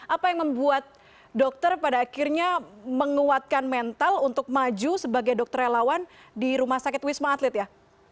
apa yang membuat dokter pada akhirnya menguatkan mental untuk maju sebagai dokter relawan di rumah sakit wisma atlet ya